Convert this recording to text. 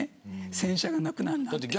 戦車がなくなるなんて。